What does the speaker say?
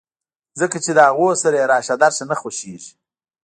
ځکه چې له هغوی سره يې راشه درشه نه خوښېږي.